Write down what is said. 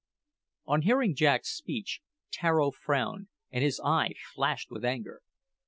On hearing Jack's speech, Tararo frowned, and his eye flashed with anger.